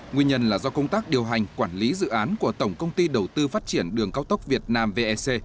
nguyên nhân là do công tác điều hành quản lý dự án của tổng công ty đầu tư phát triển đường cao tốc việt nam vec